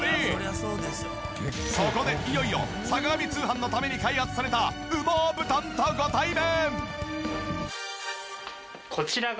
そこでいよいよ『坂上通販』のために開発された羽毛布団とご対面！